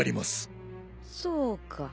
そうか。